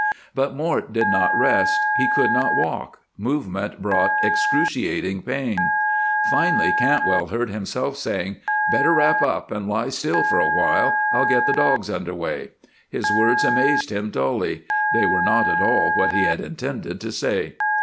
But Mort did not rest. He could not walk; movement brought excruciating pain. Finally Cantwell heard himself saying: "Better wrap up and lie still for a while. I'll get the dogs underway." His words amazed him dully. They were not at all what he had intended to say.